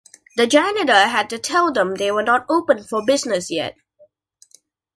The janitor had to tell them they were not open for business yet.